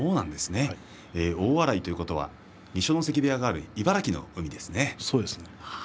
大洗ということは二所ノ関部屋がある茨城の海ですね。